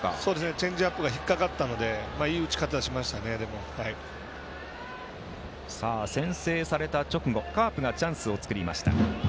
チェンジアップが引っ掛かったので先制された直後カープがチャンスを作りました。